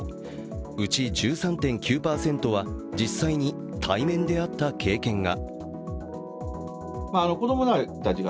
うち１３．９％は実際に対面で会った経験が。